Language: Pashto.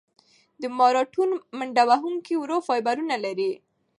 د ماراتون منډهوهونکي ورو فایبرونه لري.